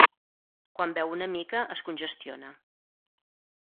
Quan beu una mica es congestiona.